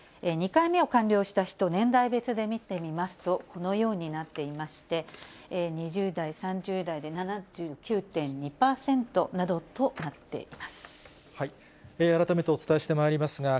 ２回目を完了した人、年代別で見てみますと、このようになっていまして、２０代、３０代で７９．２％などとなっています。